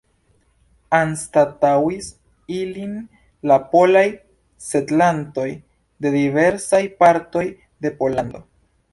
Anstataŭis ilin la polaj setlantoj de diversaj partoj de Pollando.